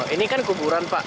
ini kan kuburan pak